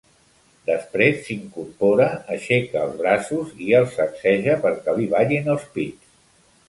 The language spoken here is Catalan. Després s'incorpora, aixeca els braços i els sacseja perquè li ballin els pits.